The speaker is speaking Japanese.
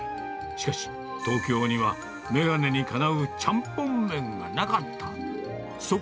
しかし、東京には眼鏡にかなうちゃんぽん麺がなかった。